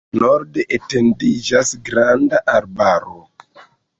Norde etendiĝas granda arbaro.